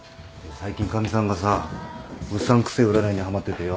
最近かみさんがさうさんくせえ占いにはまっててよ。